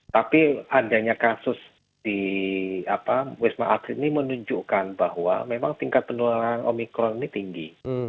tapi adanya kasus di wisma atlet ini menunjukkan bahwa memang tingkat penularan omikron ini tinggi